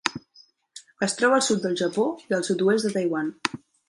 Es troba al sud del Japó i el sud-oest de Taiwan.